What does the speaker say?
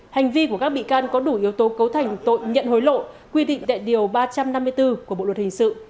hành vi của các bị can có đủ yếu tố cấu thành tội nhận hối lộ quy định tại điều ba trăm năm mươi bốn của bộ luật hình sự